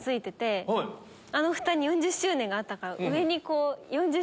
あのふたに４０周年があったから上に４０周年の。